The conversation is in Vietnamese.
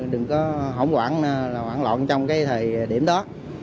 đừng có hỗn quản hoảng loạn trong thời điểm đó